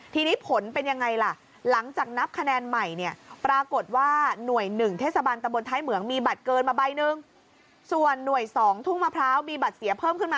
ที่นี่ผลเป็นยังไงล่ะหลังจากนับคะแนนใหม่เนี่ยปรากฏว่าหน่วย๑เทศบาลตำบลท้ายเหมืองมีบัตรเกินมา๑ใบ